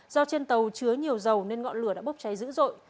do trên tàu chứa nhiều dầu nên ngọn lửa đã bốc cháy dữ dội